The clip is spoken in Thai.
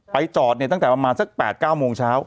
จอดเนี่ยตั้งแต่ประมาณสัก๘๙โมงเช้า